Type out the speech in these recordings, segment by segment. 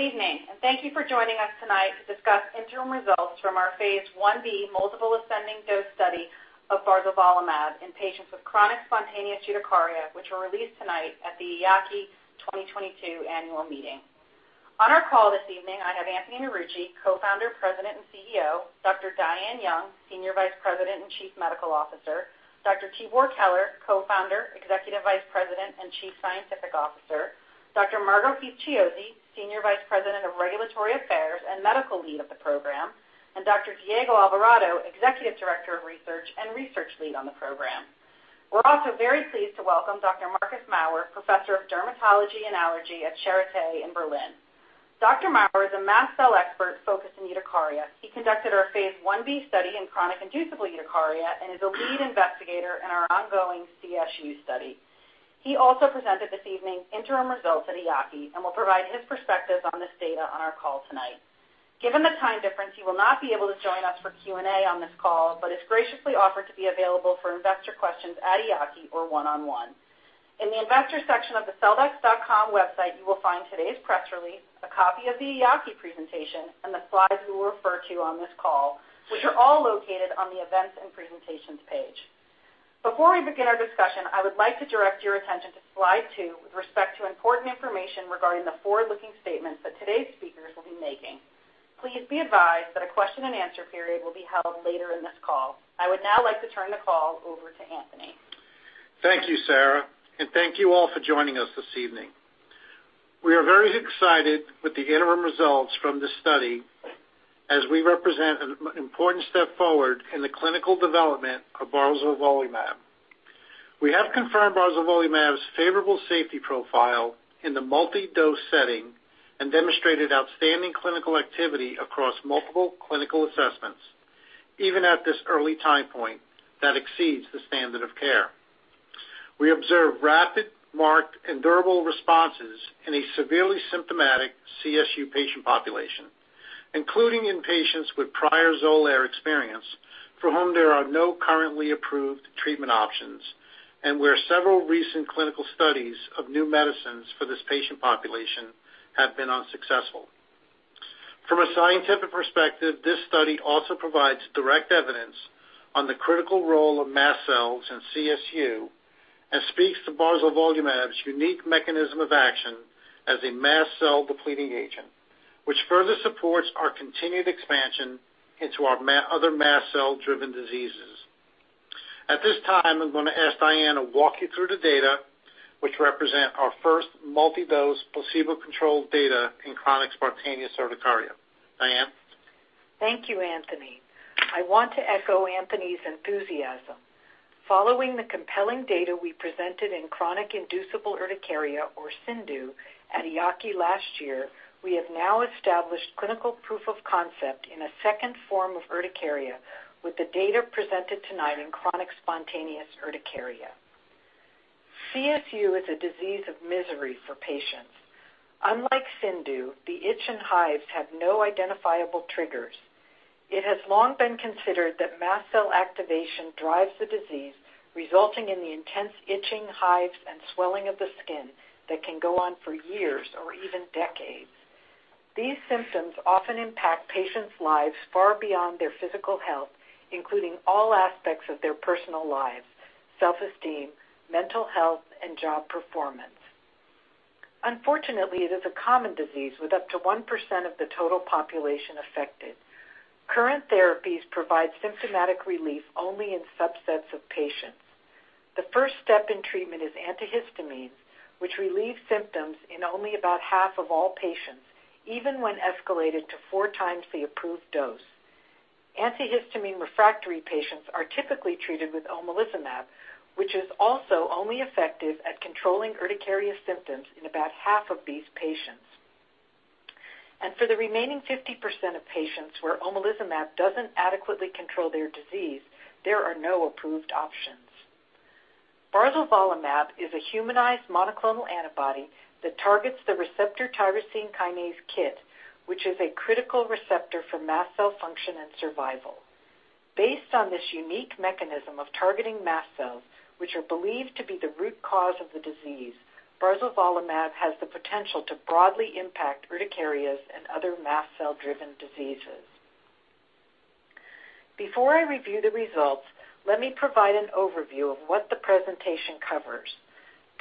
Good evening, and thank you for joining us tonight to discuss interim results from our phase 1b multiple ascending dose study of barzolvolimab in patients with chronic spontaneous urticaria, which were released tonight at the EAACI 2022 annual meeting. On our call this evening, I have Anthony Marucci, Co-founder, President, and CEO, Dr. Diane Young, Senior Vice President, and Chief Medical Officer, Dr. Tibor Keler, Co-founder, Executive Vice President, and Chief Scientific Officer, Dr. Margo Heath-Chiozzi, Senior Vice President of Regulatory Affairs and Medical Lead of the Program, and Dr. Diego Alvarado, Executive Director of Research and Research Lead on the program. We're also very pleased to welcome Dr. Marcus Maurer, professor of dermatology and allergy at Charité in Berlin. Dr. Maurer is a mast cell expert focused in urticaria. He conducted our phase 1b study in chronic inducible urticaria and is a lead investigator in our ongoing CSU study. He also presented this evening interim results at EAACI and will provide his perspective on this data on our call tonight. Given the time difference, he will not be able to join us for Q&A on this call, but has graciously offered to be available for investor questions at EAACI or one-on-one. In the investor section of the celldex.com website, you will find today's press release, a copy of the EAACI presentation, and the slides we will refer to on this call, which are all located on the Events and Presentations page. Before we begin our discussion, I would like to direct your attention to slide two with respect to important information regarding the forward-looking statements that today's speakers will be making. Please be advised that a question-and-answer period will be held later in this call. I would now like to turn the call over to Anthony. Thank you, Sarah, and thank you all for joining us this evening. We are very excited with the interim results from this study as they represent an important step forward in the clinical development of barzolvolimab. We have confirmed barzolvolimab's favorable safety profile in the multi-dose setting and demonstrated outstanding clinical activity across multiple clinical assessments, even at this early time point that exceeds the standard of care. We observed rapid, marked, and durable responses in a severely symptomatic CSU patient population, including in patients with prior Xolair experience for whom there are no currently approved treatment options and where several recent clinical studies of new medicines for this patient population have been unsuccessful. From a scientific perspective, this study also provides direct evidence on the critical role of mast cells in CSU and speaks to barzolvolimab's unique mechanism of action as a mast cell depleting agent, which further supports our continued expansion into our other mast cell-driven diseases. At this time, I'm going to ask Diane to walk you through the data which represent our first multi-dose placebo-controlled data in chronic spontaneous urticaria. Diane? Thank you, Anthony. I want to echo Anthony's enthusiasm. Following the compelling data we presented in chronic inducible urticaria or CIndU at EAACI last year, we have now established clinical proof of concept in a second form of urticaria with the data presented tonight in chronic spontaneous urticaria. CSU is a disease of misery for patients. Unlike CIndU, the itch and hives have no identifiable triggers. It has long been considered that mast cell activation drives the disease, resulting in the intense itching, hives, and swelling of the skin that can go on for years or even decades. These symptoms often impact patients' lives far beyond their physical health, including all aspects of their personal lives, self-esteem, mental health, and job performance. Unfortunately, it is a common disease with up to 1% of the total population affected. Current therapies provide symptomatic relief only in subsets of patients. The first step in treatment is antihistamines, which relieve symptoms in only about half of all patients, even when escalated to 4x the approved dose. Antihistamine-refractory patients are typically treated with omalizumab, which is also only effective at controlling urticaria symptoms in about half of these patients. For the remaining 50% of patients where omalizumab doesn't adequately control their disease, there are no approved options. Barzolvolimab is a humanized monoclonal antibody that targets the receptor tyrosine kinase KIT, which is a critical receptor for mast cell function and survival. Based on this unique mechanism of targeting mast cells, which are believed to be the root cause of the disease, barzolvolimab has the potential to broadly impact urticarias and other mast cell-driven diseases. Before I review the results, let me provide an overview of what the presentation covers.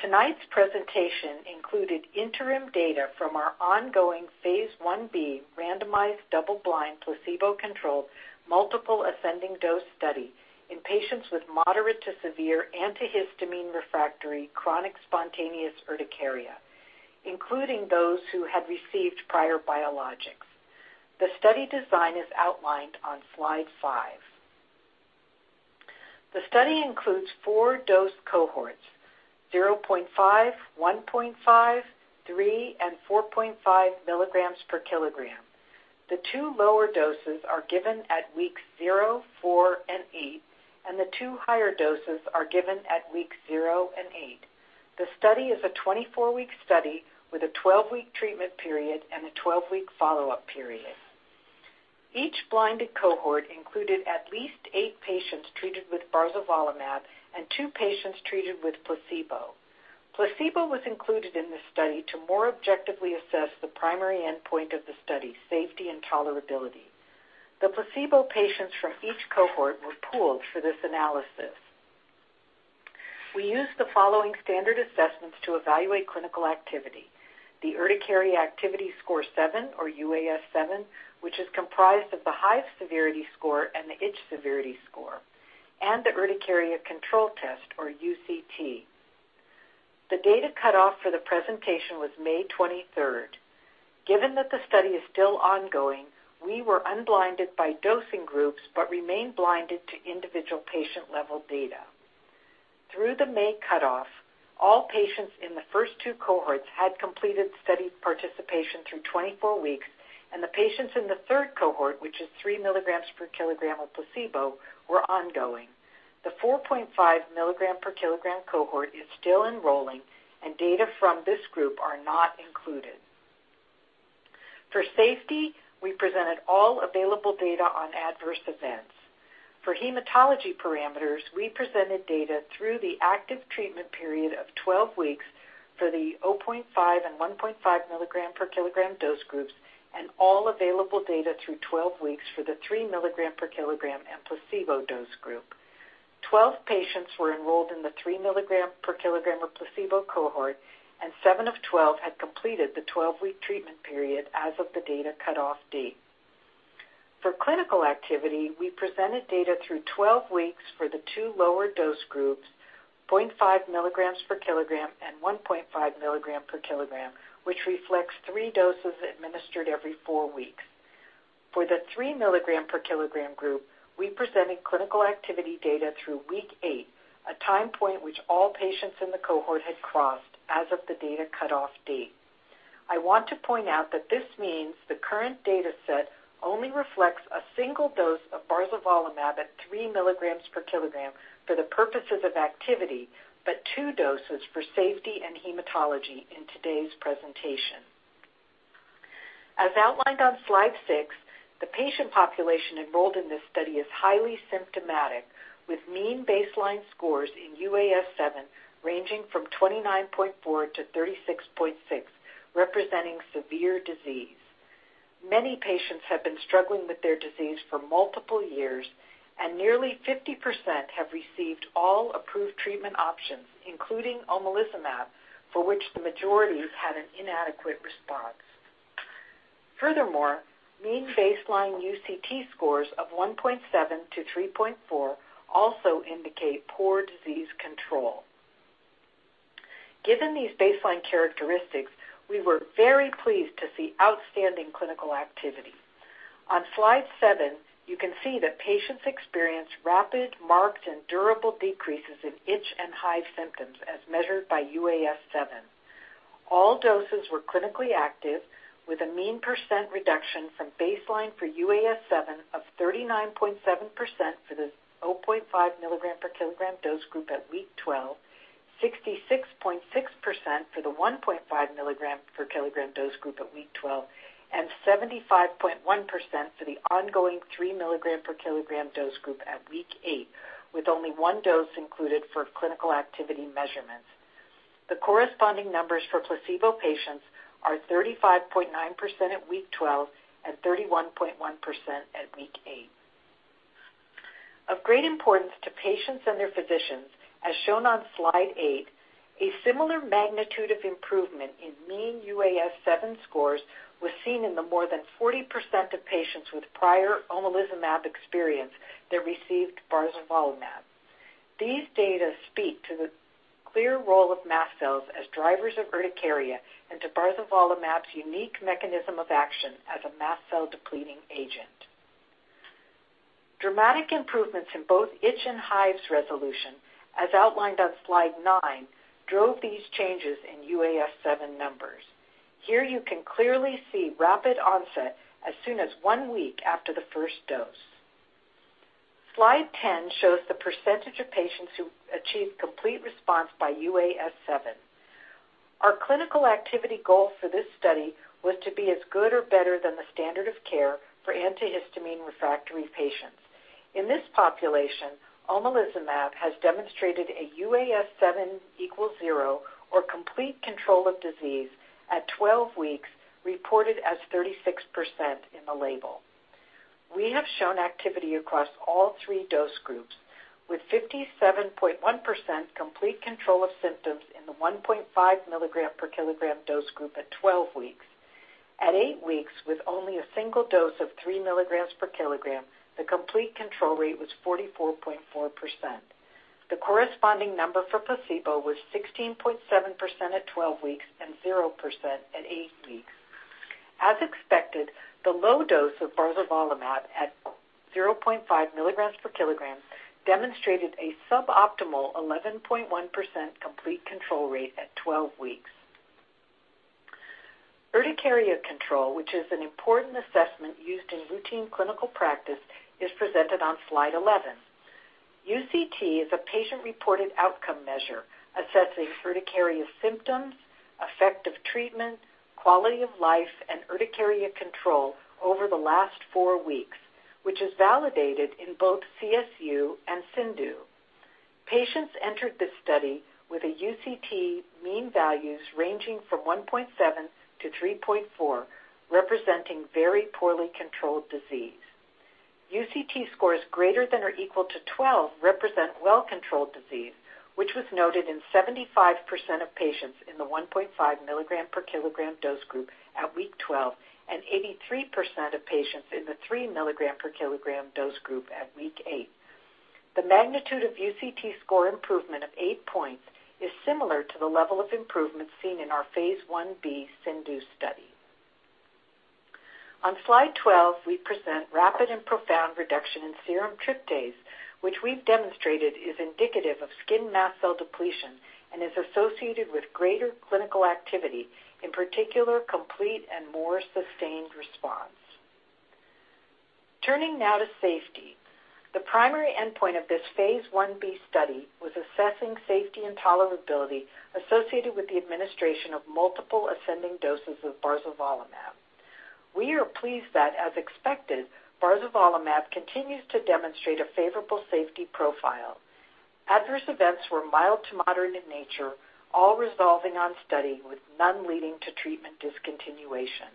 Tonight's presentation included interim data from our ongoing phase 1b randomized double-blind placebo-controlled multiple ascending dose study in patients with moderate to severe antihistamine-refractory chronic spontaneous urticaria, including those who had received prior biologics. The study design is outlined on slide five. The study includes four dose cohorts, 0.5, 1.5, 3, and 4.5 mg/kg. The two lower doses are given at weeks zero, four, and eight, and the two higher doses are given at weeks zero and eight. The study is a 24-week study with a 12-week treatment period and a 12-week follow-up period. Each blinded cohort included at least eight patients treated with barzolvolimab and two patients treated with placebo. Placebo was included in this study to more objectively assess the primary endpoint of the study, safety and tolerability. The placebo patients from each cohort were pooled for this analysis. We used the following standard assessments to evaluate clinical activity. The Urticaria Activity Score 7 or UAS7, which is comprised of the hive severity score and the itch severity score, and the Urticaria Control Test, or UCT. The data cutoff for the presentation was May 23. Given that the study is still ongoing, we were unblinded by dosing groups but remain blinded to individual patient-level data. Through the May cutoff, all patients in the first two cohorts had completed study participation through 24 weeks, and the patients in the third cohort, which is 3 mg/kg of placebo, were ongoing. The 4.5 mg/kg cohort is still enrolling, and data from this group are not included. For safety, we presented all available data on adverse events. For hematology parameters, we presented data through the active treatment period of 12 weeks for the 0.5 and 1.5 mg/kg dose groups and all available data through 12 weeks for the 3 mg/kg and placebo dose group. 12 patients were enrolled in the 3 mg/kg of placebo cohort, and seven of 12 had completed the 12-week treatment period as of the data cutoff date. For clinical activity, we presented data through 12 weeks for the two lower dose groups, 0.5 mg/kg and 1.5 mg/kg, which reflects three doses administered every four weeks. For the 3 mg/kg group, we presented clinical activity data through week eight, a time point which all patients in the cohort had crossed as of the data cutoff date. I want to point out that this means the current data set only reflects a single dose of barzolvolimab at 3 mg/kg for the purposes of activity, but two doses for safety and hematology in today's presentation. As outlined on slide six, the patient population enrolled in this study is highly symptomatic, with mean baseline scores in UAS7 ranging from 29.4-36.6, representing severe disease. Many patients have been struggling with their disease for multiple years, and nearly 50% have received all approved treatment options, including omalizumab, for which the majority had an inadequate response. Furthermore, mean baseline UCT scores of 1.7-3.4 also indicate poor disease control. Given these baseline characteristics, we were very pleased to see outstanding clinical activity. On slide seven, you can see that patients experienced rapid, marked, and durable decreases in itch and hive symptoms as measured by UAS7. All doses were clinically active, with a mean percent reduction from baseline for UAS7 of 39.7% for the 0.5 mg/kg dose group at week 12, 66.6% for the 1.5 mg/kg dose group at week 12, and 75.1% for the ongoing 3 mg/kg dose group at week eight, with only one dose included for clinical activity measurements. The corresponding numbers for placebo patients are 35.9% at week 12 and 31.1% at week eight. Of great importance to patients and their physicians, as shown on slide eight, a similar magnitude of improvement in mean UAS7 scores was seen in the more than 40% of patients with prior omalizumab experience that received barzolvolimab. These data speak to the clear role of mast cells as drivers of urticaria and to barzolvolimab's unique mechanism of action as a mast cell depleting agent. Dramatic improvements in both itch and hives resolution, as outlined on slide nine, drove these changes in UAS7 numbers. Here you can clearly see rapid onset as soon as one week after the first dose. Slide 10 shows the percentage of patients who achieved complete response by UAS7. Our clinical activity goal for this study was to be as good or better than the standard of care for antihistamine refractory patients. In this population, omalizumab has demonstrated a UAS7 = 0 or complete control of disease at 12 weeks, reported as 36% in the label. We have shown activity across all three dose groups, with 57.1% complete control of symptoms in the 1.5 mg/kg dose group at 12 weeks. At eight weeks, with only a single dose of 3 mg/kg, the complete control rate was 44.4%. The corresponding number for placebo was 16.7% at 12 weeks and 0% at eight weeks. As expected, the low dose of barzolvolimab at 0.5 mg/kg demonstrated a suboptimal 11.1% complete control rate at 12 weeks. Urticaria control, which is an important assessment used in routine clinical practice, is presented on slide 11. UCT is a patient-reported outcome measure assessing urticaria symptoms, effective treatment, quality of life, and urticaria control over the last four weeks, which is validated in both CSU and CIndU. Patients entered this study with a UCT mean values ranging from 1.7-3.4, representing very poorly controlled disease. UCT scores ≥12 represent well-controlled disease, which was noted in 75% of patients in the 1.5 mg/kg dose group at week 12 and 83% of patients in the 3 mg/kg dose group at week eight. The magnitude of UCT score improvement of eight points is similar to the level of improvement seen in our phase Ia/Ib CIndU study. On slide 12, we present rapid and profound reduction in serum tryptase, which we've demonstrated is indicative of skin mast cell depletion and is associated with greater clinical activity, in particular, complete and more sustained response. Turning now to safety. The primary endpoint of this phase 1b study was assessing safety and tolerability associated with the administration of multiple ascending doses of barzolvolimab. We are pleased that, as expected, barzolvolimab continues to demonstrate a favorable safety profile. Adverse events were mild to moderate in nature, all resolving on study with none leading to treatment discontinuation.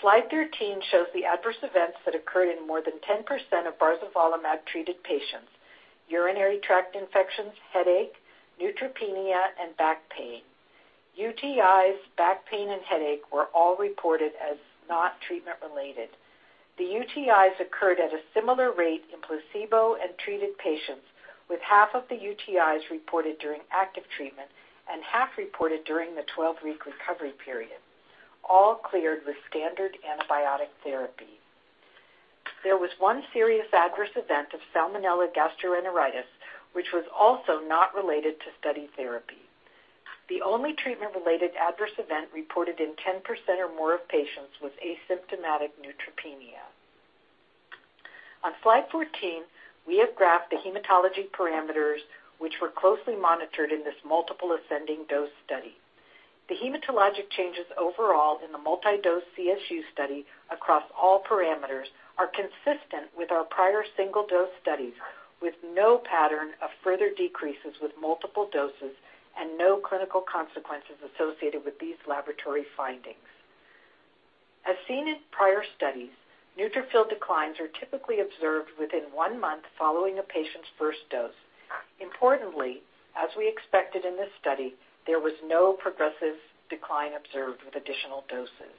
Slide 13 shows the adverse events that occurred in more than 10% of barzolvolimab-treated patients. Urinary tract infections, headache, neutropenia, and back pain. UTIs, back pain, and headache were all reported as not treatment-related. The UTIs occurred at a similar rate in placebo and treated patients, with half of the UTIs reported during active treatment and half reported during the 12-week recovery period, all cleared with standard antibiotic therapy. There was one serious adverse event of Salmonella gastroenteritis, which was also not related to study therapy. The only treatment-related adverse event reported in 10% or more of patients was asymptomatic neutropenia. On slide 14, we have graphed the hematology parameters, which were closely monitored in this multiple ascending dose study. The hematologic changes overall in the multi-dose CSU study across all parameters are consistent with our prior single dose studies, with no pattern of further decreases with multiple doses and no clinical consequences associated with these laboratory findings. As seen in prior studies, neutrophil declines are typically observed within one month following a patient's first dose. Importantly, as we expected in this study, there was no progressive decline observed with additional doses.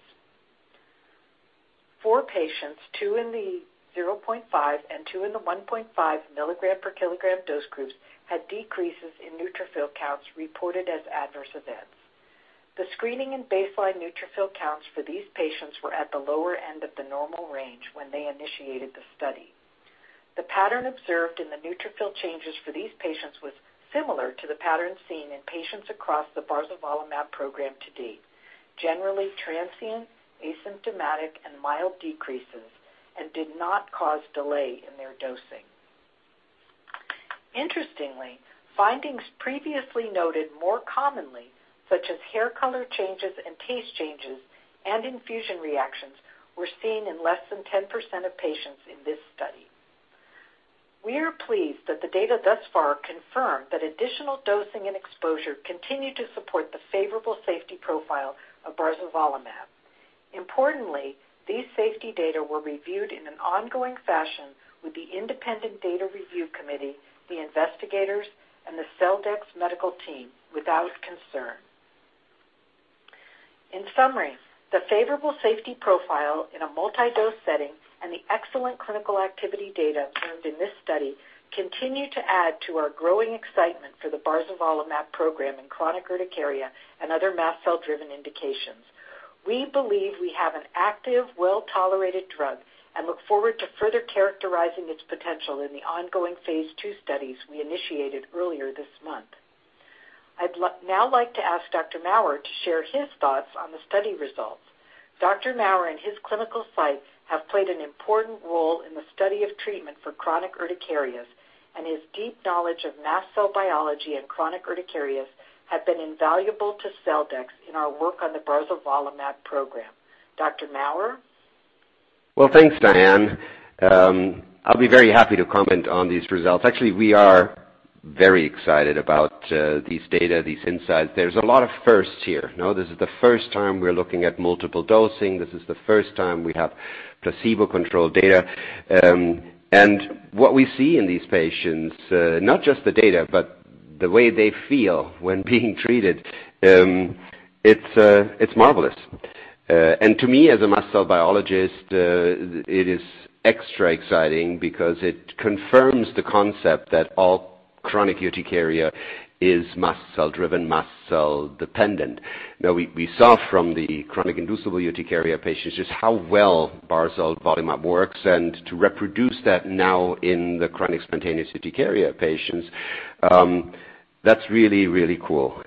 Four patients, two in the 0.5 and 2 in the 1.5 mg/kg dose groups, had decreases in neutrophil counts reported as adverse events. The screening and baseline neutrophil counts for these patients were at the lower end of the normal range when they initiated the study. The pattern observed in the neutrophil changes for these patients was similar to the pattern seen in patients across the barzolvolimab program to date. Generally transient, asymptomatic, and mild decreases and did not cause delay in their dosing. Interestingly, findings previously noted more commonly, such as hair color changes and taste changes and infusion reactions, were seen in less than 10% of patients in this study. We are pleased that the data thus far confirm that additional dosing and exposure continue to support the favorable safety profile of barzolvolimab. Importantly, these safety data were reviewed in an ongoing fashion with the independent data review committee, the investigators, and the Celldex medical team without concern. In summary, the favorable safety profile in a multi-dose setting and the excellent clinical activity data observed in this study continue to add to our growing excitement for the barzolvolimab program in chronic urticaria and other mast cell-driven indications. We believe we have an active, well-tolerated drug and look forward to further characterizing its potential in the ongoing phase 2 studies we initiated earlier this month. I'd now like to ask Dr. Maurer to share his thoughts on the study results. Dr. Maurer and his clinical sites have played an important role in the study of treatment for chronic urticarias, and his deep knowledge of mast cell biology and chronic urticarias have been invaluable to Celldex in our work on the barzolvolimab program. Dr. Maurer? Well, thanks, Diane. I'll be very happy to comment on these results. Actually, we are very excited about these data, these insights. There's a lot of firsts here. Now, this is the first time we're looking at multiple dosing. This is the first time we have placebo-controlled data. What we see in these patients, not just the data, but the way they feel when being treated, it's marvelous. To me, as a mast cell biologist, it is extra exciting because it confirms the concept that all chronic urticaria is mast cell-driven, mast cell-dependent. Now, we saw from the chronic inducible urticaria patients just how well barzolvolimab works, and to reproduce that now in the chronic spontaneous urticaria patients, that's really, really cool.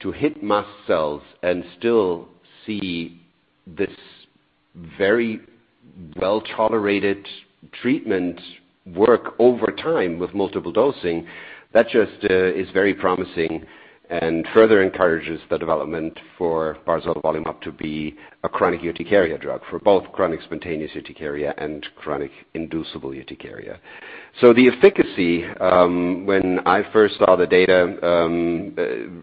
To hit mast cells and still see this very well-tolerated treatment work over time with multiple dosing, that just is very promising and further encourages the development for barzolvolimab to be a chronic urticaria drug for both chronic spontaneous urticaria and chronic inducible urticaria. The efficacy, when I first saw the data,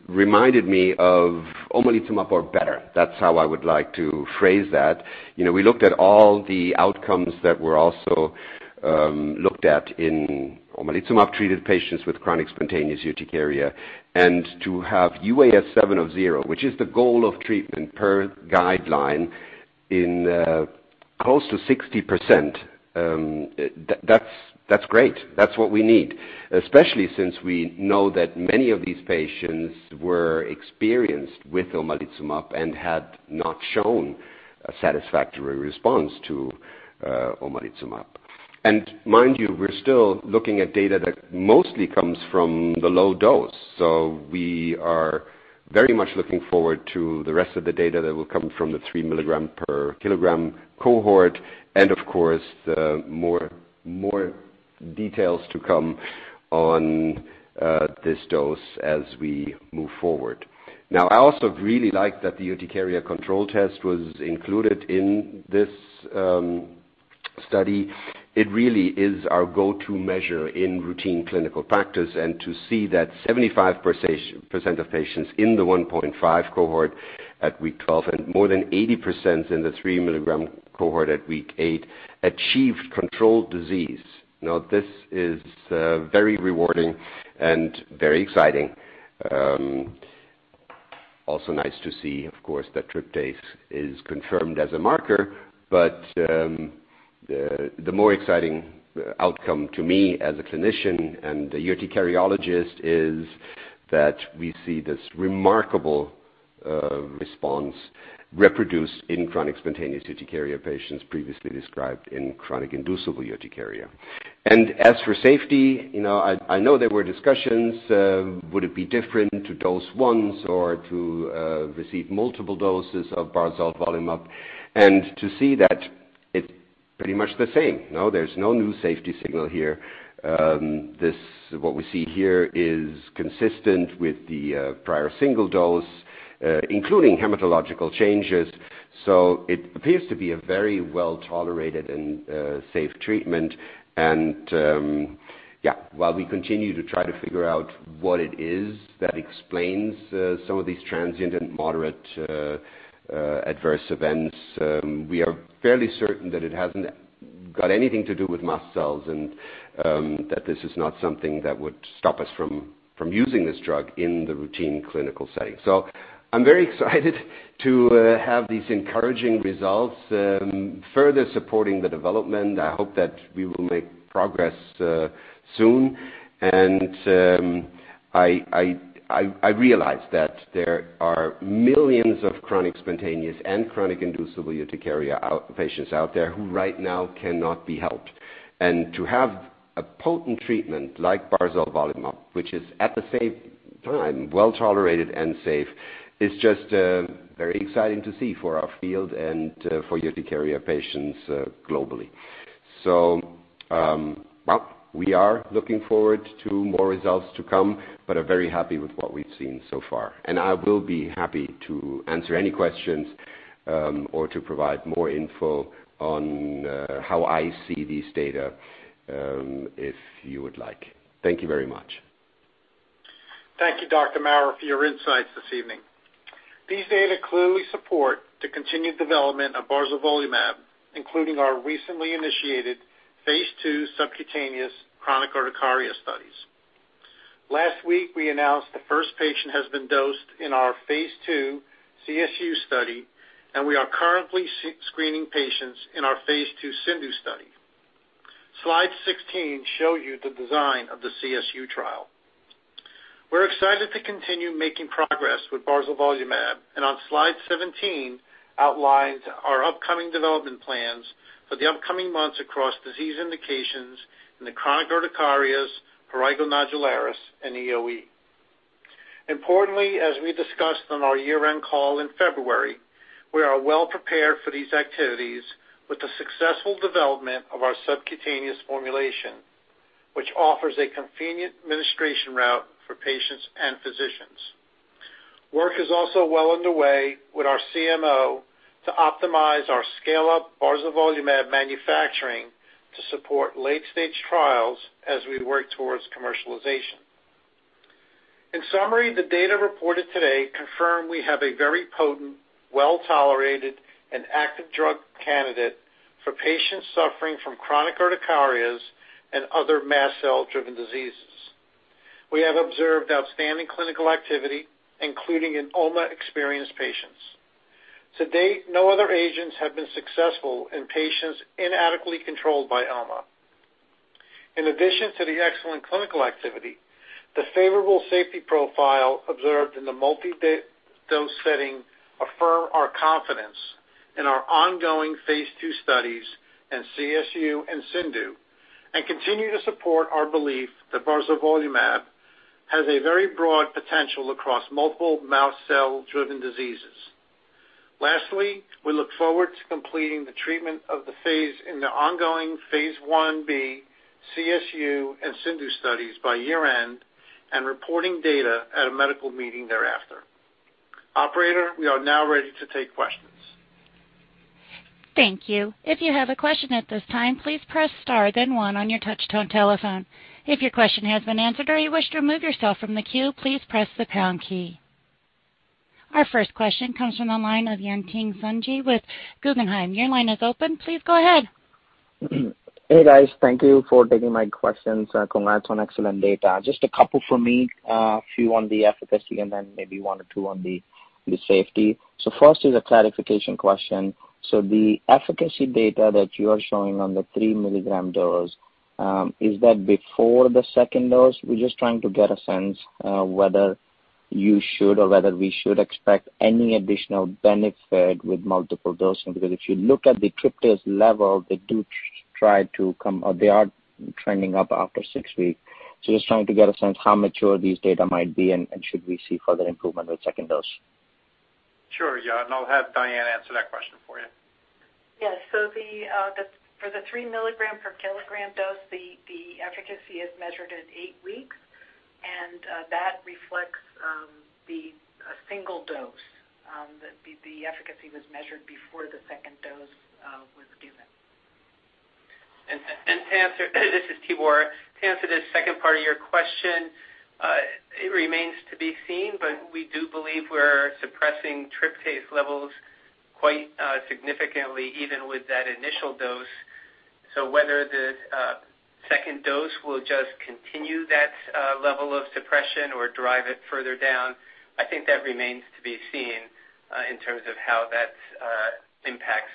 reminded me of omalizumab or better. That's how I would like to phrase that. You know, we looked at all the outcomes that were also looked at in omalizumab-treated patients with chronic spontaneous urticaria. To have UAS7 of zero, which is the goal of treatment per guideline in close to 60%, that's great. That's what we need, especially since we know that many of these patients were experienced with omalizumab and had not shown a satisfactory response to omalizumab. Mind you, we're still looking at data that mostly comes from the low dose. We are very much looking forward to the rest of the data that will come from the 3 mg/kg cohort and of course, the more details to come on this dose as we move forward. Now, I also really like that the urticaria control test was included in this study. It really is our go-to measure in routine clinical practice, and to see that 75% of patients in the 1.5 cohort at week 12 and more than 80% in the 3 mg cohort at week eight achieved controlled disease. Now, this is very rewarding and very exciting. Also nice to see, of course, that tryptase is confirmed as a marker, but the more exciting outcome to me as a clinician and a urticariologist is that we see this remarkable response reproduced in chronic spontaneous urticaria patients previously described in chronic inducible urticaria. As for safety, you know, I know there were discussions would it be different to dose once or to receive multiple doses of barzolvolimab. To see that it's pretty much the same. No, there's no new safety signal here. What we see here is consistent with the prior single dose, including hematological changes. It appears to be a very well-tolerated and safe treatment. While we continue to try to figure out what it is that explains some of these transient and moderate adverse events, we are fairly certain that it hasn't got anything to do with mast cells and that this is not something that would stop us from using this drug in the routine clinical setting. I'm very excited to have these encouraging results further supporting the development. I hope that we will make progress soon. I realize that there are millions of chronic spontaneous and chronic inducible urticaria patients out there who right now cannot be helped. To have a potent treatment like barzolvolimab, which is at the same time well-tolerated and safe, is just very exciting to see for our field and for urticaria patients globally. Well, we are looking forward to more results to come, but are very happy with what we've seen so far. I will be happy to answer any questions, or to provide more info on how I see these data, if you would like. Thank you very much. Thank you, Dr. Maurer, for your insights this evening. These data clearly support the continued development of barzolvolimab, including our recently initiated phase 2 subcutaneous chronic urticaria studies. Last week, we announced the first patient has been dosed in our phase 2 CSU study, and we are currently screening patients in our phase 2 CIndU study. Slide 16 show you the design of the CSU trial. We're excited to continue making progress with barzolvolimab, and on slide 17 outlines our upcoming development plans for the upcoming months across disease indications in the chronic urticarias, prurigo nodularis, and EoE. Importantly, as we discussed on our year-end call in February, we are well prepared for these activities with the successful development of our subcutaneous formulation, which offers a convenient administration route for patients and physicians. Work is also well underway with our CMO to optimize our scale-up barzolvolimab manufacturing to support late-stage trials as we work towards commercialization. In summary, the data reported today confirm we have a very potent, well-tolerated, and active drug candidate for patients suffering from chronic urticarias and other mast cell-driven diseases. We have observed outstanding clinical activity, including in OMA-experienced patients. To date, no other agents have been successful in patients inadequately controlled by OMA. In addition to the excellent clinical activity, the favorable safety profile observed in the multi-dose setting affirm our confidence. In our ongoing phase 2 studies in CSU and CIndU, and continue to support our belief that barzolvolimab has a very broad potential across multiple mast cell-driven diseases. Lastly, we look forward to completing the treatment of the patients in the ongoing phase 1b CSU and CIndU studies by year-end and reporting data at a medical meeting thereafter. Operator, we are now ready to take questions. Thank you. If you have a question at this time, please press Star then one on your touch-tone telephone. If your question has been answered or you wish to remove yourself from the queue, please press the pound key. Our first question comes from the line of Yatin Suneja with Guggenheim. Your line is open. Please go ahead. Hey, guys. Thank you for taking my questions. Congrats on excellent data. Just a couple from me, a few on the efficacy and then maybe one or two on the safety. First is a clarification question. The efficacy data that you are showing on the 3 mg dose, is that before the second dose? We're just trying to get a sense, whether you should or whether we should expect any additional benefit with multiple dosing. Because if you look at the tryptase level, they do try to come or they are trending up after six weeks. Just trying to get a sense how mature these data might be, and should we see further improvement with second dose. Sure, Yatin, I'll have Diane answer that question for you. Yes. For the 3 mg/kg dose, the efficacy is measured at eight weeks, and that reflects the single dose. The efficacy was measured before the second dose was given. This is Tibor. To answer the second part of your question, it remains to be seen, but we do believe we're suppressing tryptase levels quite significantly even with that initial dose. Whether the second dose will just continue that level of suppression or drive it further down, I think that remains to be seen in terms of how that impacts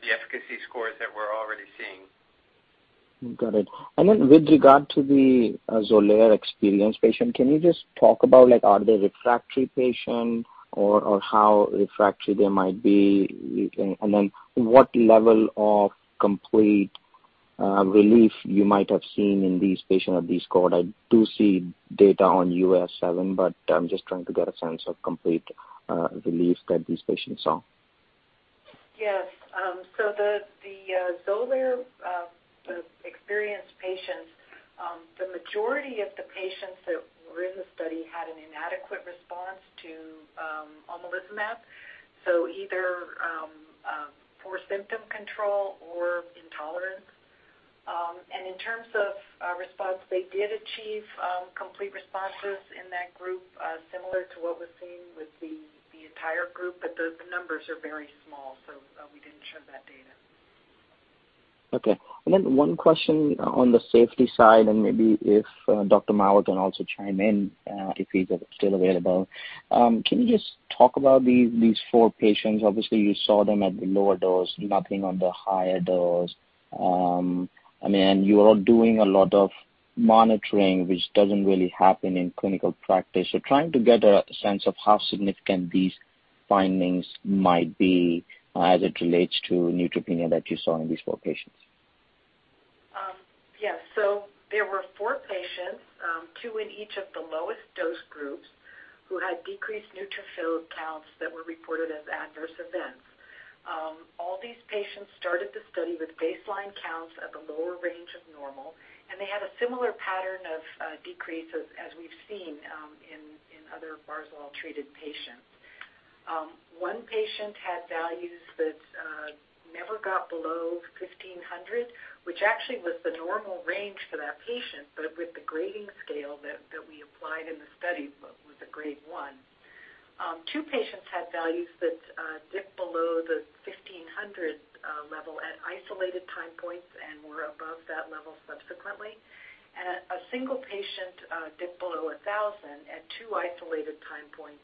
the efficacy scores that we're already seeing. Got it. With regard to the Xolair-experienced patient, can you just talk about like are they refractory patient or how refractory they might be? What level of complete relief you might have seen in these patients at this quarter. I do see data on UAS7, but I'm just trying to get a sense of complete relief that these patients saw. Yes. The Xolair experienced patients, the majority of the patients that were in the study had an inadequate response to omalizumab, so either poor symptom control or intolerance. In terms of response, they did achieve complete responses in that group, similar to what was seen with the entire group, but the numbers are very small, so we didn't show that data. Okay. Then one question on the safety side, and maybe if Dr. Marcus Maurer can also chime in, if he's still available. Can you just talk about these four patients? Obviously, you saw them at the lower dose, nothing on the higher dose. I mean, you are doing a lot of monitoring, which doesn't really happen in clinical practice. Trying to get a sense of how significant these findings might be as it relates to neutropenia that you saw in these four patients. Yes. There were four patients, two in each of the lowest dose groups, who had decreased neutrophil counts that were reported as adverse events. All these patients started the study with baseline counts at the lower range of normal, and they had a similar pattern of decrease as we've seen in other barzol-treated patients. One patient had values that never got below 1,500, which actually was the normal range for that patient, but with the grading scale that we applied in the study, was a grade 1. Two patients had values that dipped below the 1,500 level at isolated time points and were above that level subsequently. A single patient dipped below a 1,000 at two isolated time points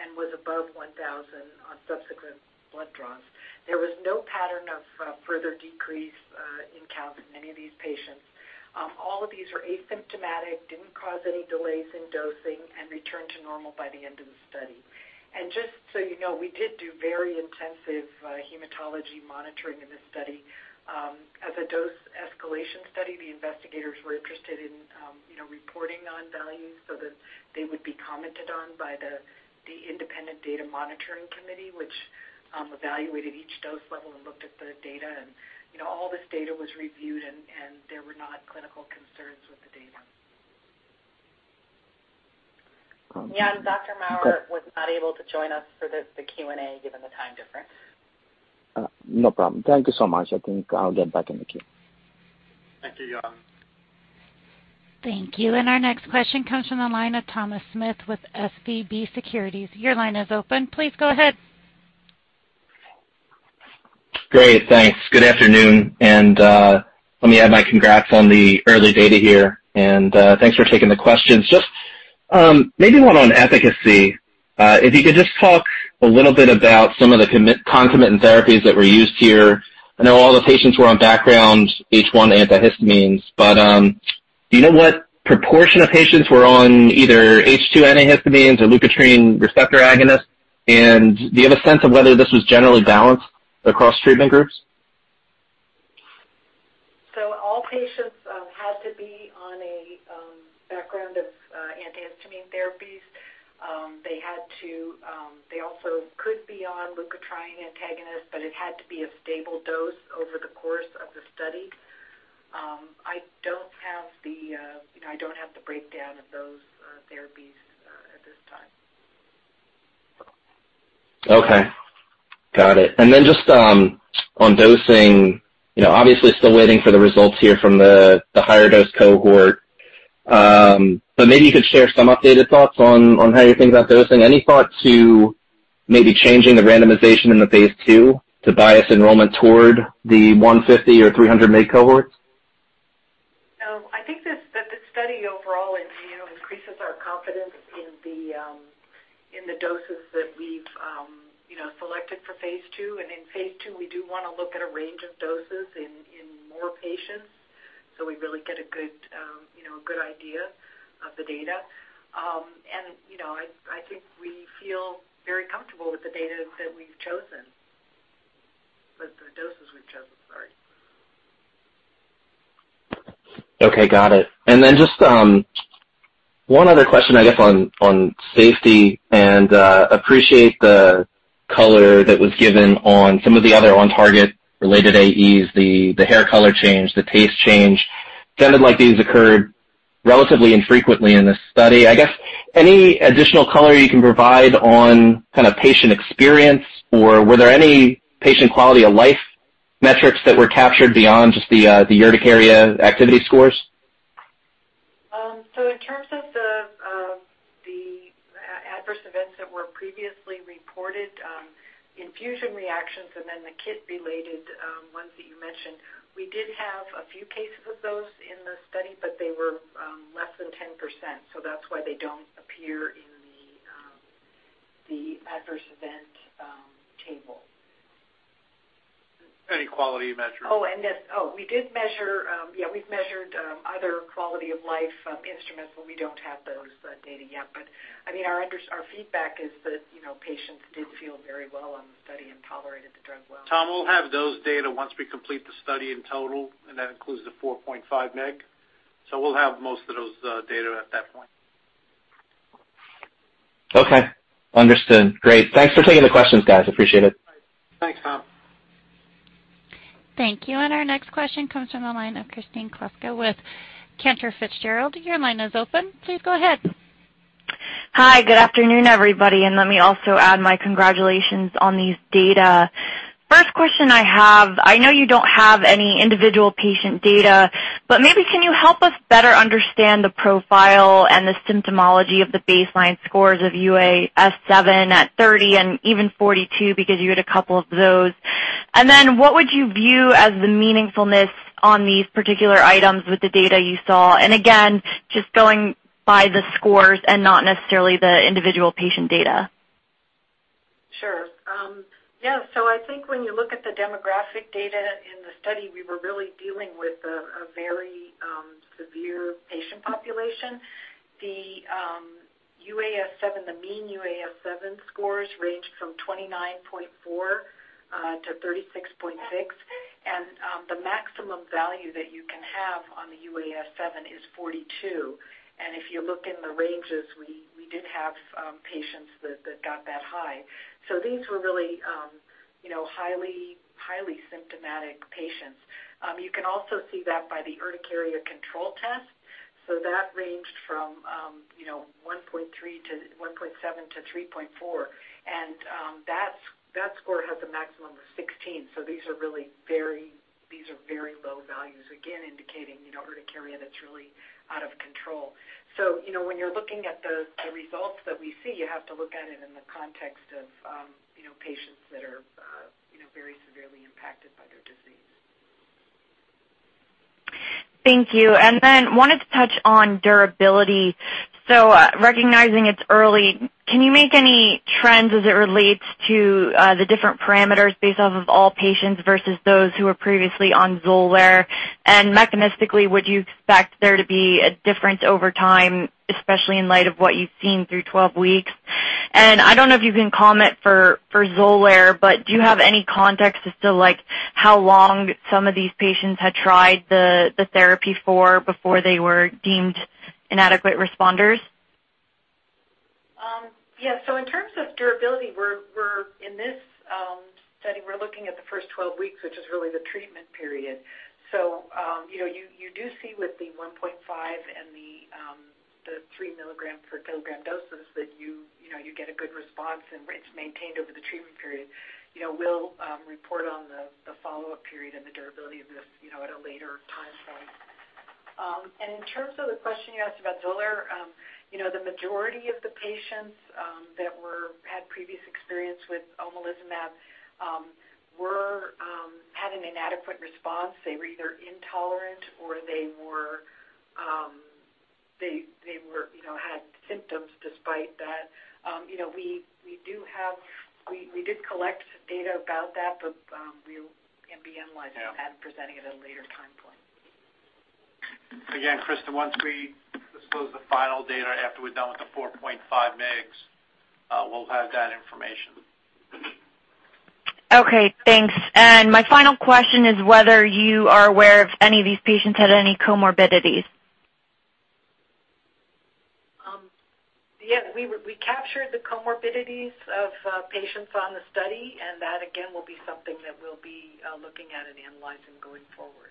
and was above 1,000 on subsequent blood draws. There was no pattern of further decrease in count in any of these patients. All of these were asymptomatic, didn't cause any delays in dosing, and returned to normal by the end of the study. Just so you know, we did do very intensive hematology monitoring in this study. As a dose escalation study, the investigators were interested in you know, reporting on values so that they would be commented on by the independent data monitoring committee, which evaluated each dose level and looked at the data. You know, all this data was reviewed and there were not clinical concerns with the data. Um- Yan, Dr. Maurer was not able to join us for the Q&A given the time difference. No problem. Thank you so much. I think I'll get back in the queue. Thank you, Yatin. Thank you. Our next question comes from the line of Thomas Smith with SVB Securities. Your line is open. Please go ahead. Great. Thanks. Good afternoon, and let me add my congrats on the early data here. Thanks for taking the questions. Just maybe one on efficacy. If you could just talk a little bit about some of the concomitant therapies that were used here. I know all the patients were on background H1 antihistamines, but do you know what proportion of patients were on either H2 antihistamines or leukotriene receptor antagonists? And do you have a sense of whether this was generally balanced across treatment groups? All patients had to be on a background of antihistamine therapies. They had to, they also could be on leukotriene antagonists, but it had to be a stable dose over the course of the study. You know, I don't have the breakdown of those therapies at this time. Okay. Got it. Just on dosing, you know, obviously still waiting for the results here from the higher dose cohort. Maybe you could share some updated thoughts on how you think about dosing. Any thought to maybe changing the randomization in the phase 2 to bias enrollment toward the 150 or 300 mg cohorts? No. I think that the study overall, you know, increases our confidence in the doses that we've, you know, selected for phase 2. In phase 2, we do wanna look at a range of doses in more patients, so we really get a good, you know, a good idea of the data. You know, I think we feel very comfortable with the data that we've chosen. With the doses we've chosen, sorry. Okay, got it. Just one other question, I guess, on safety and appreciate the color that was given on some of the other on-target related AEs, the hair color change, the taste change. Sounded like these occurred relatively infrequently in this study. I guess any additional color you can provide on kinda patient experience, or were there any patient quality of life metrics that were captured beyond just the urticaria activity scores? In terms of the adverse events that were previously reported, infusion reactions and then the KIT-related ones that you mentioned, we did have a few cases of those in the study, but they were less than 10%, so that's why they don't appear in the adverse event table. Any quality metrics? We did measure, yeah, we've measured other quality of life instruments, but we don't have those data yet. I mean, our feedback is that, you know, patients did feel very well on the study and tolerated the drug well. Tom, we'll have those data once we complete the study in total, and that includes the 4.5 mg. We'll have most of those data at that point. Okay. Understood. Great. Thanks for taking the questions, guys. Appreciate it. Thanks, Tom. Thank you. Our next question comes from the line of Kristen Kluska with Cantor Fitzgerald. Your line is open. Please go ahead. Hi. Good afternoon, everybody. Let me also add my congratulations on these data. First question I have, I know you don't have any individual patient data, but maybe can you help us better understand the profile and the symptomatology of the baseline scores of UAS7 at 30 and even 42 because you had a couple of those? Then what would you view as the meaningfulness on these particular items with the data you saw? Again, just going by the scores and not necessarily the individual patient data. Sure. Yeah. I think when you look at the demographic data in the study, we were really dealing with a very severe patient population. The UAS7, the mean UAS7 scores ranged from 29.4 to 36.6. The maximum value that you can have on the UAS7 is 42. If you look in the ranges, we did have patients that got that high. These were really you know, highly symptomatic patients. You can also see that by the Urticaria Control Test. That ranged from you know, 1.3-1.7 to 3.4. That score has a maximum of 16, so these are really very low values, again indicating you know, urticaria that's really out of control. You know, when you're looking at the results that we see, you have to look at it in the context of, you know, patients that are, you know, very severely impacted by their disease. Thank you. Wanted to touch on durability. Recognizing it's early, can you make any trends as it relates to the different parameters based off of all patients versus those who were previously on Xolair? Mechanistically, would you expect there to be a difference over time, especially in light of what you've seen through 12 weeks? I don't know if you can comment for Xolair, but do you have any context as to, like, how long some of these patients had tried the therapy for before they were deemed inadequate responders? Yeah. In terms of durability, we're in this study looking at the first 12 weeks, which is really the treatment period. You know, you do see with the 1.5 and the 3 mg/kg doses that you know you get a good response and it's maintained over the treatment period. You know, we'll report on the follow-up period and the durability of this, you know, at a later timeframe. In terms of the question you asked about Xolair, you know, the majority of the patients that had previous experience with omalizumab had an inadequate response. They were either intolerant or they had symptoms despite that. You know, we did collect data about that, but we will again be analyzing. Yeah. Presenting it at a later time point. Again, Kristen, once we disclose the final data after we're done with the 4.5 mgs, we'll have that information. Okay, thanks. My final question is whether you are aware if any of these patients had any comorbidities. Yeah, we captured the comorbidities of patients on the study, and that again will be something that we'll be looking at and analyzing going forward.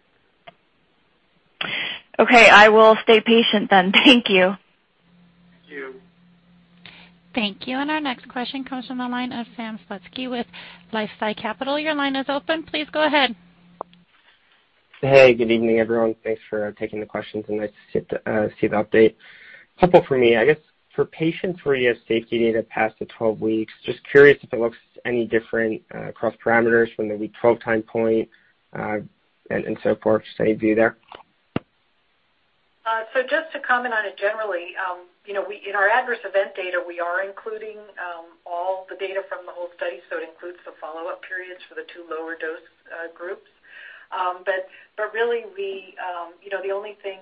Okay. I will stay patient then. Thank you. Thank you. Thank you. Our next question comes from the line of Sam Slutsky with LifeSci Capital. Your line is open. Please go ahead. Hey, good evening, everyone. Thanks for taking the questions. Nice to see the update. Couple for me. I guess for patient three, you have safety data past the 12 weeks, just curious if it looks any different across parameters from the week 12 time point, and so forth. Same view there? Just to comment on it generally, you know, in our adverse event data, we are including all the data from the whole study, so it includes the follow-up periods for the two lower dose groups. Really, you know, the only thing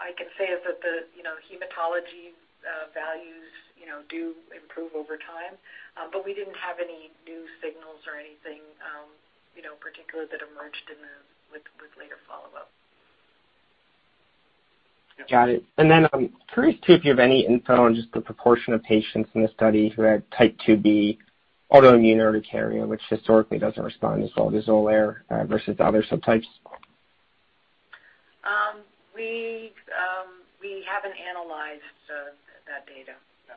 I can say is that the, you know, hematology values, you know, do improve over time. We didn't have any new signals or anything, you know, particular that emerged with later follow-up. Got it. Curious too, if you have any info on just the proportion of patients in the study who had Type IIb autoimmune urticaria, which historically doesn't respond as well to Xolair versus other subtypes. We haven't analyzed that data, no.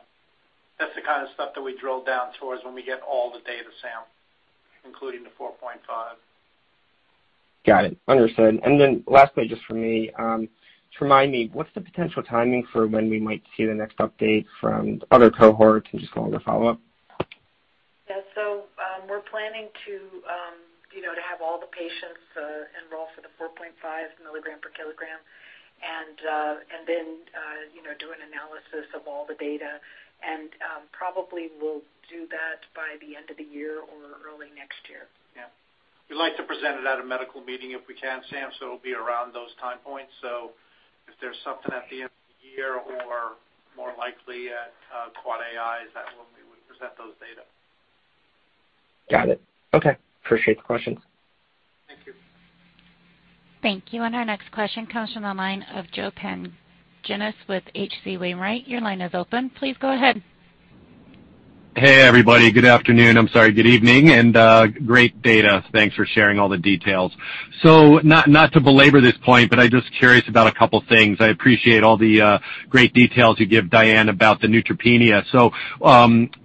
That's the kind of stuff that we drill down towards when we get all the data, Sam, including the 4.5. Got it. Understood. Lastly, just for me, just remind me, what's the potential timing for when we might see the next update from other cohorts and just longer follow-up? We're planning to, you know, to have all the patients enroll for the 4.5 mg/kg and then, you know, do an analysis of all the data. Probably we'll do that by the end of the year or early next year. Yeah. We'd like to present it at a medical meeting if we can, Sam, so it'll be around those time points. If there's something at the end of the year or more likely at EAACI, is that when we would present those data? Got it. Okay. Appreciate the questions. Thank you. Thank you. Our next question comes from the line of Joe Pantginis with H.C. Wainwright. Your line is open. Please go ahead. Hey, everybody. Good afternoon. I'm sorry, good evening, and great data. Thanks for sharing all the details. Not to belabor this point, but I'm just curious about a couple things. I appreciate all the great details you give Diane about the neutropenia.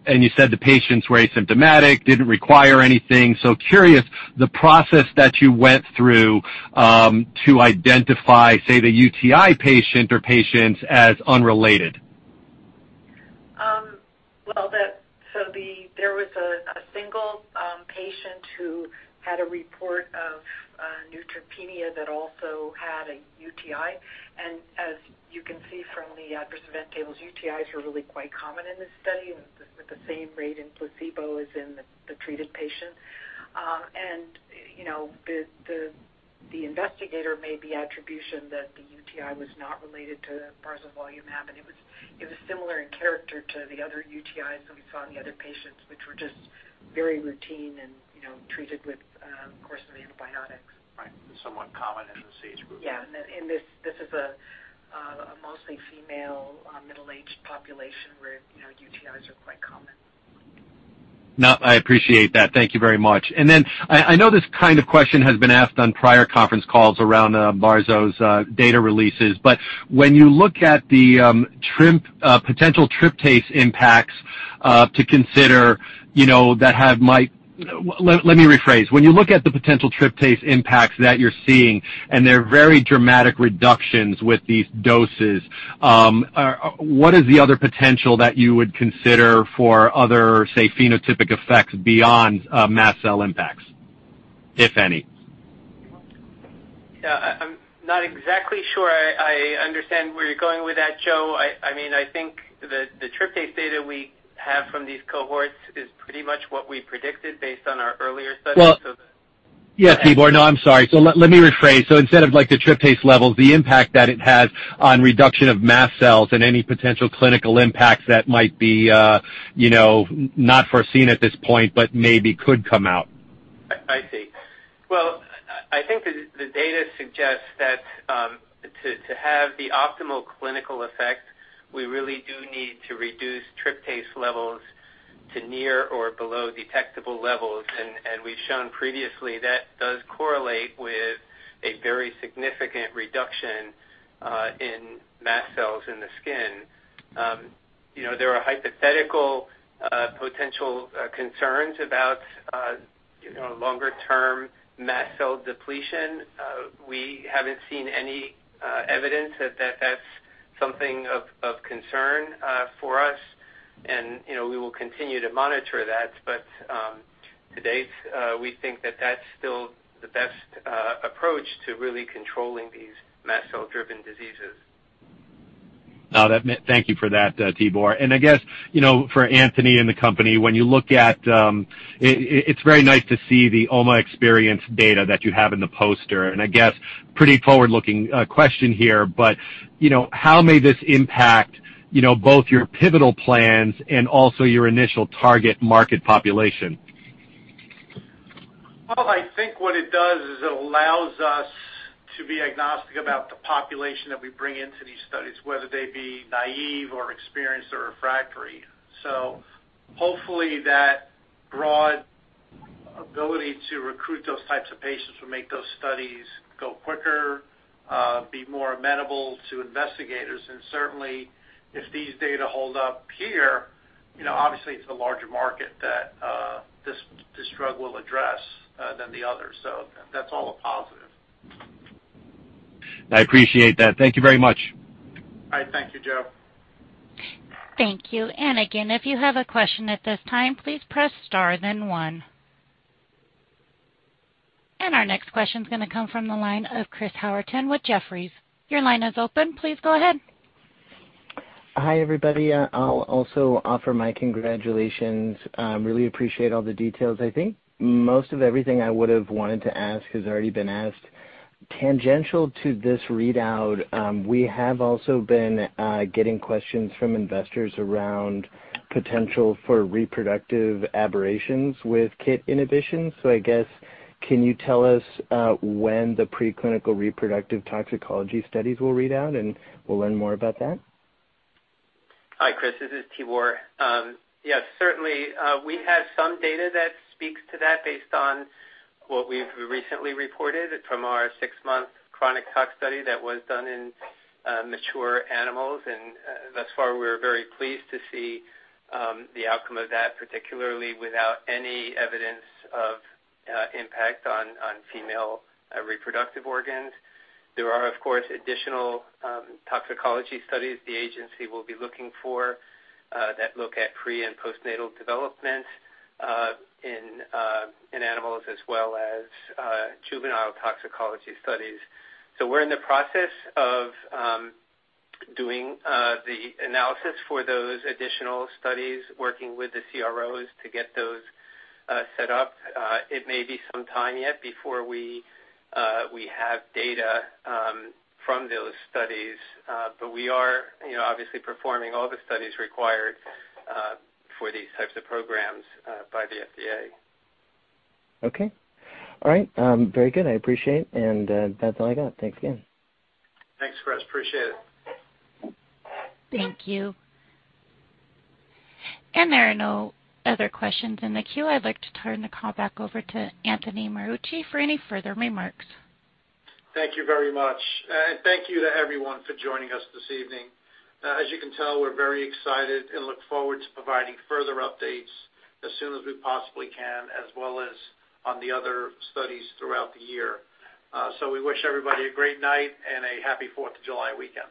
You said the patients were asymptomatic, didn't require anything. Curious the process that you went through to identify, say, the UTI patient or patients as unrelated. There was a single patient who had a report of neutropenia that also had a UTI. As you can see from the adverse event tables, UTIs are really quite common in this study and with the same rate in placebo as in the treated patient. You know, the investigator made the attribution that the UTI was not related to barzolvolimab, and it was similar in character to the other UTIs that we saw in the other patients, which were just very routine and, you know, treated with course of antibiotics. Right. Somewhat common in this age group. Yeah. This is a mostly female, middle-aged population where, you know, UTIs are quite common. No, I appreciate that. Thank you very much. I know this kind of question has been asked on prior conference calls around barzolvolimab's data releases, but when you look at the potential tryptase impacts to consider, you know. Let me rephrase. When you look at the potential tryptase impacts that you're seeing, and they're very dramatic reductions with these doses, what is the other potential that you would consider for other, say, phenotypic effects beyond mast cell impacts, if any? Yeah. I'm not exactly sure I understand where you're going with that, Joe. I mean, I think the tryptase data we have from these cohorts is pretty much what we predicted based on our earlier studies so that. Well. Yeah, Tibor. No, I'm sorry. Let me rephrase. Instead of like the tryptase levels, the impact that it has on reduction of mast cells and any potential clinical impacts that might be, you know, not foreseen at this point, but maybe could come out. I see. Well, I think the data suggests that to have the optimal clinical effect, we really do need to reduce tryptase levels to near or below detectable levels. We've shown previously that does correlate with a very significant reduction in mast cells in the skin. You know, there are hypothetical potential concerns about you know, longer term mast cell depletion. We haven't seen any evidence that that's something of concern for us. You know, we will continue to monitor that. To date, we think that that's still the best approach to really controlling these mast cell-driven diseases. Thank you for that, Tibor. I guess, you know, for Anthony and the company, when you look at, It's very nice to see the OMA experience data that you have in the poster, and I guess pretty forward-looking question here, but, you know, how may this impact, you know, both your pivotal plans and also your initial target market population? Well, I think what it does is it allows us to be agnostic about the population that we bring into these studies, whether they be naive or experienced or refractory. Hopefully that broad ability to recruit those types of patients will make those studies go quicker, be more amenable to investigators. Certainly if these data hold up here, you know, obviously it's a larger market that this drug will address than the others. That's all a positive. I appreciate that. Thank you very much. All right. Thank you, Joe. Thank you. Again, if you have a question at this time, please press star then one. Our next question is gonna come from the line of Chris Howerton with Jefferies. Your line is open. Please go ahead. Hi, everybody. I'll also offer my congratulations. Really appreciate all the details. I think most of everything I would have wanted to ask has already been asked. Tangential to this readout, we have also been getting questions from investors around potential for reproductive aberrations with KIT inhibitions. I guess, can you tell us when the preclinical reproductive toxicology studies will read out, and we'll learn more about that? Hi, Chris. This is Tibor. Yes, certainly, we have some data that speaks to that based on what we've recently reported from our six-month chronic tox study that was done in mature animals. Thus far, we're very pleased to see the outcome of that, particularly without any evidence of impact on female reproductive organs. There are, of course, additional toxicology studies the agency will be looking for that look at pre- and postnatal development in animals as well as juvenile toxicology studies. We're in the process of doing the analysis for those additional studies, working with the CROs to get those set up. It may be some time yet before we have data from those studies, but we are, you know, obviously performing all the studies required for these types of programs by the FDA. Okay. All right. Very good. I appreciate. That's all I got. Thanks again. Thanks, Chris. Appreciate it. Thank you. There are no other questions in the queue. I'd like to turn the call back over to Anthony Marucci for any further remarks. Thank you very much. Thank you to everyone for joining us this evening. As you can tell, we're very excited and look forward to providing further updates as soon as we possibly can, as well as on the other studies throughout the year. We wish everybody a great night and a happy Fourth of July weekend.